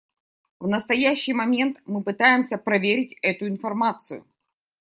В настоящий момент мы пытаемся проверить эту информацию.